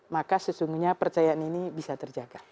maka sesungguhnya percayaan ini bisa terjaga